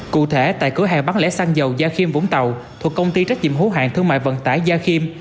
cụ thể tại cửa hàng bán lẻ xăng dầu gia khiêm vũng tàu thuộc công ty trách nhiệm hữu hạng thương mại vận tải gia khiêm